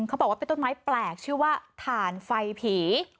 เขาบอกว่าเป็นต้นไม้แปลกชื่อว่าถ่านไฟผี